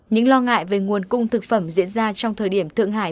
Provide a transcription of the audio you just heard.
những lo ngại về nguồn cung thực phẩm diễn ra trong thời điểm thượng hải